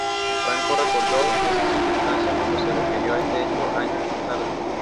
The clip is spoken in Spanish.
Franco recordó esa circunstancia cuando se refirió a este hecho años más tarde.